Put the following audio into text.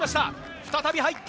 再び入った。